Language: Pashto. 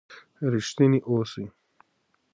ریښتینی اوسئ.